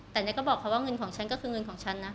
แต่เนี่ยก็บอกเขาว่าเงินของฉันก็คือเงินของฉันนะ